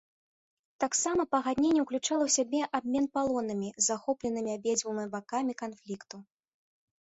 Таксама пагадненне ўключала ў сябе абмен палоннымі, захопленымі абедзвюма бакамі канфлікту.